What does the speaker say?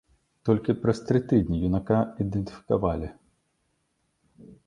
Толькі праз тры тыдні юнака ідэнтыфікавалі.